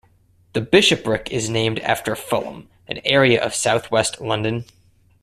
The bishopric is named after Fulham, an area of south-west London.